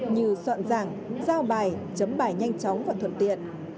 như soạn giảng giao bài chấm bài nhanh chóng và thuận tiện